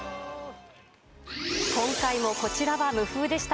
今回もこちらは無風でした。